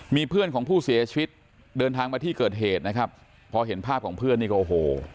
มีเพื่อนของผู้เสียชีวิตเดินทางมาที่เกิดเหตุนะครับพอเห็นภาพของเพื่อนนี่ก็โอ้โห